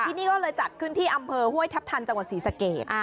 ที่นี่ก็เลยจัดขึ้นที่อำเภอห้วยทัพทันจังหวัดศรีสะเกด